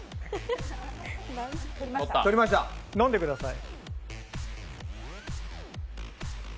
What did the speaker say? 飲んでください。